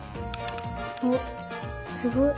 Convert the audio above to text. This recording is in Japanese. おっすごっ。